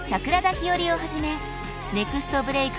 ひよりをはじめネクストブレイク